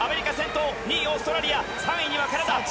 ２位オーストラリア、３位カナダ。